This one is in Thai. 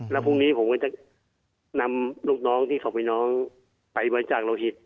แล้วพรุ่งนี้ผมก็จะนำลูกน้องที่เขามีน้องไปบริจาคโลหิต